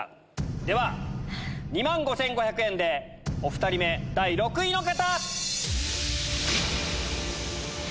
では２万５５００円でお２人目第６位の方！